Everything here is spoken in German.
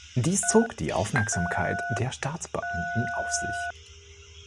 Dies zog die Aufmerksamkeit der Staatsbeamten auf sich.